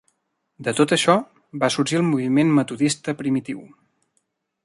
De tot això va sorgir el moviment Metodista Primitiu.